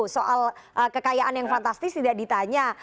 soal kekayaan yang fantastis tidak ditanya